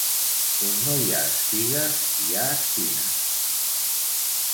On no hi ha espigues, hi ha espines.